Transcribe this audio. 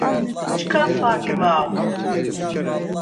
Çkva farki var uğun.